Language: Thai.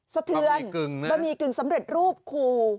สะเทือนบะหมี่กึ่งสำเร็จรูปคู่